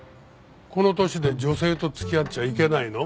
この年で女性と付き合っちゃいけないの？